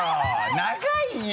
長いよ！